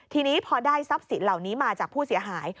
ทีนี้พอได้ทรัพย์สินเหล่านี้มาจากผู้เสียหาย